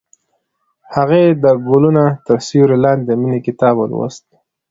هغې د ګلونه تر سیوري لاندې د مینې کتاب ولوست.